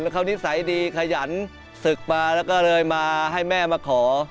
เขานิสัยดีขยันศึกมาแล้วก็เลยมาให้แม่มาขอ